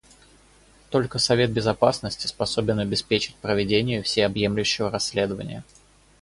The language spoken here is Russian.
Только Совет Безопасности способен обеспечить проведение всеобъемлющего расследования.